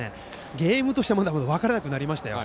ゲームとしては分からなくなりましたよ。